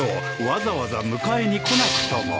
わざわざ迎えに来なくとも。